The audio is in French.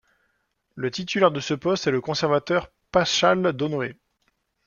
Le titulaire de ce poste est le conservateur Paschal Donohoe.